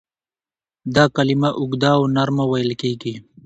دا کلمه اوږده او نرمه ویل کیږي.